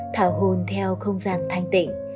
thảo hồn theo không gian thanh niên